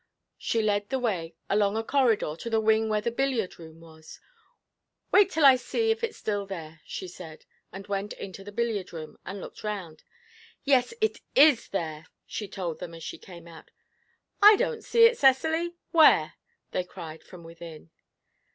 She led the way along a corridor to the wing where the billiard room was. 'Wait till I see if it's there still,' she said, and went into the billiard room and looked around. 'Yes, it is there,' she told them as she came out. 'I don't see it, Cecily; where?' they cried from within.